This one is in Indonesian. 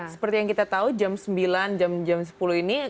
seperti yang kita tahu jam sembilan jam sepuluh ini